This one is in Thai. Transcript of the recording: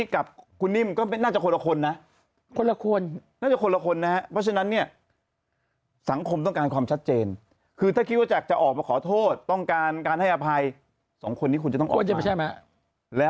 คือถ้าคิดว่าแจ็คจะออกมาขอโทษต้องการให้อภัย๒คนนี้คุณจะต้องออกมา